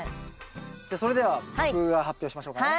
じゃそれでは僕が発表しましょうかね。